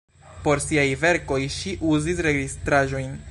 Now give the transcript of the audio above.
Por siaj verkoj ŝi uzis registraĵojn.